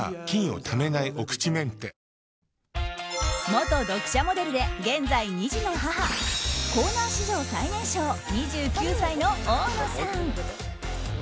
元読者モデルで現在２児の母コーナー史上最年少２９歳の大野さん。